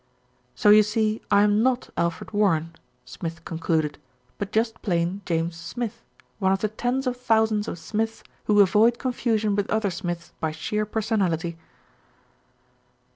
"So you see I am not Alfred Warren," Smith con cluded; "but just plain James Smith, one of the tens of thousands of Smiths who avoid confusion with other Smiths by sheer personality."